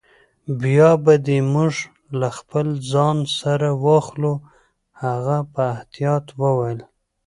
بیا به دي موږ له خپل ځان سره واخلو. هغه په احتیاط وویل.